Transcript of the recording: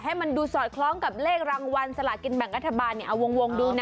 ให้มันดูสอดคล้องกับเลขรางวัลสลากินแบ่งรัฐบาลเอาวงดูนะ